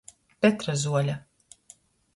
Petrazuole.